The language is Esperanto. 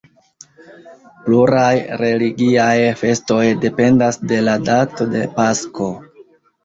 Pluraj religiaj festoj dependas de la dato de Pasko.